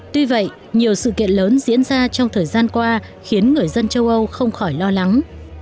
tuy vậy nhiều sự kiện lớn diễn ra trong thời gian qua khiến người dân châu âu không khỏi lo lắng